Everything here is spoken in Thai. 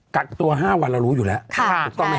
กักตัว๕วันเรารู้อยู่แล้ว